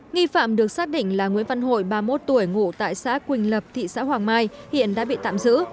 nghi phạm được xác định là nguyễn văn hội ba mươi một tuổi ngụ tại xã quỳnh lập thị xã hoàng mai hiện đã bị tạm giữ